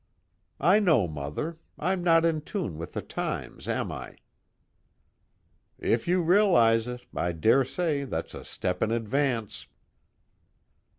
"I know, Mother. I'm not in tune with the times, am I?" "If you realize it, I dare say that's a step in advance."